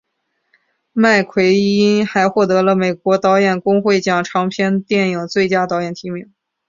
麦奎因还获得了美国导演工会奖长片电影最佳导演提名。